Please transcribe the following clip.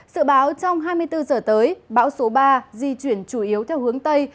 sự báo trong hai mươi bốn giờ tới bão số ba di chuyển chủ yếu theo hướng tây